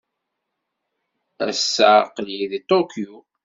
Ass-a aql-iyi deg Tokyo.